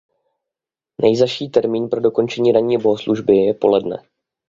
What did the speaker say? Nejzazší termín pro dokončení ranní bohoslužby je poledne.